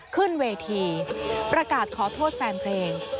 ขึ้นเวทีประกาศขอโทษแฟนเพลง